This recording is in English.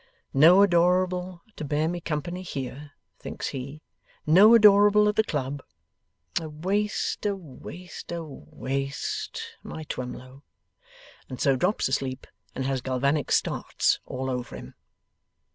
'No Adorable to bear me company here!' thinks he. 'No Adorable at the club! A waste, a waste, a waste, my Twemlow!' And so drops asleep, and has galvanic starts all over him.